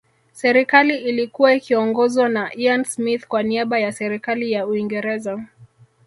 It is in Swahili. Serikali iIlikua ikiiongozwa na Ian Smith kwa niaba ya Serikali ya Uingereza